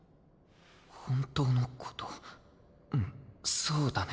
本当のことうんそうだね。